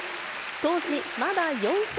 当時、まだ４歳。